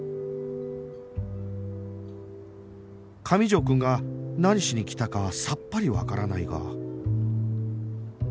上条くんが何しに来たかはさっぱりわからないが